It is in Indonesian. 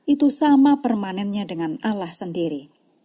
itu sama permanennya dengan allah sendiri